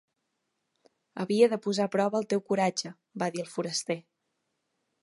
"Havia de posar a prova el teu coratge" va dir el foraster.